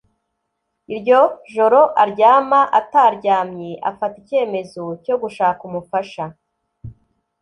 Iryo joro aryama ataryamye, afata ikemezo cyo gushaka umufasha